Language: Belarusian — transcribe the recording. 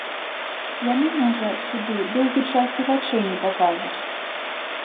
Яны можа сюды доўгі час і вачэй не пакажуць.